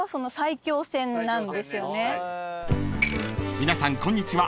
［皆さんこんにちは